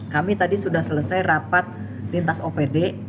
kami tadi sudah selesai rapat lintas opd